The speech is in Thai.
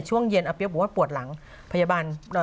ช่วงเย็นอเพี๊ยักษ์ปฎหลังพยาบาล